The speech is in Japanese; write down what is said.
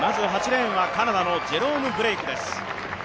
８レーンはカナダのジェロム・ブレイクです。